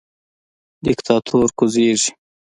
دیکتاتور کوزیږي